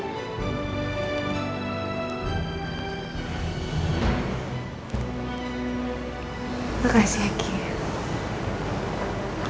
mbak andin aku harus ngerti deh